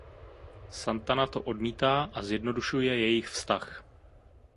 Santana to odmítá a zjednodušuje jejich vztah.